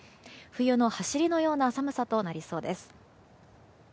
冬の走りのような寒さとなりそうです。